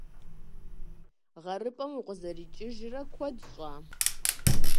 ГъэрыпӀэм укъызэрикӀыжрэ куэд щӀа?